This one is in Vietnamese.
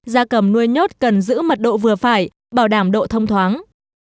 với cây da cầm nuôi nhốt cần giữ mật độ vừa phải bảo đảm độ thông thoáng